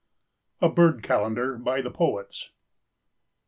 A BIRD CALENDAR BY THE POETS.